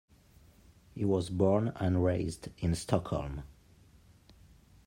He was born and raised in Stockholm.